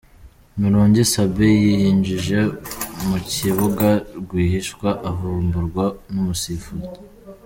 Murungi Sabin yiyinjije mu kibuga rwihishwa avumburwa numusifuzi.